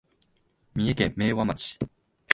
三重県明和町